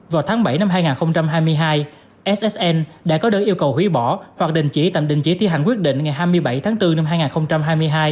vào tháng bảy năm hai nghìn hai mươi hai ssn đã có đơn yêu cầu hủy bỏ hoặc đình chỉ tạm đình chỉ thi hành quyết định ngày hai mươi bảy tháng bốn năm hai nghìn hai mươi hai